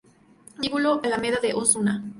Vestíbulo Alameda de Osuna